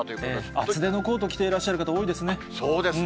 厚手のコート着ていらっしゃそうですね。